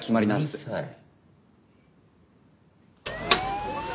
うるさい。